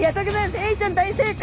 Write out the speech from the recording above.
エイちゃん大正解。